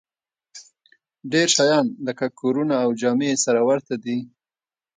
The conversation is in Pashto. ډېر شیان لکه کورونه او جامې یې سره ورته دي